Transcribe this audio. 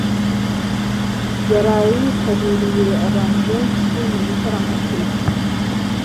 yaraye yitabiriye abantu benshi mu gitaramo cye.